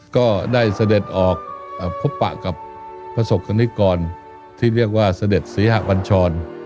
ก็ได้เสด็จออกพบปะกับประสบกรณิกรที่เรียกว่าเสด็จศรีหะบัญชร